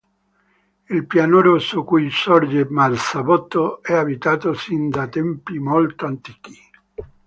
Il pianoro su cui sorge Marzabotto è abitato sin da tempi molto antichi.